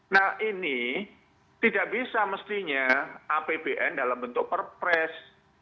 nah ini tidak bisa mestinya apbn dalam bentuk perpres